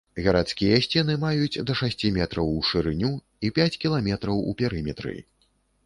Гарадскія сцены маюць да шасці метраў у шырыню і пяць кіламетраў у перыметры.